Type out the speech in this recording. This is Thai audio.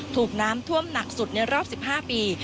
ถูกน้ำท่วมหนักสุดในรอบ๑๕ปี